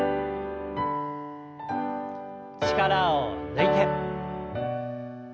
力を抜いて。